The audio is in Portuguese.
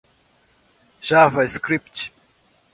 javascript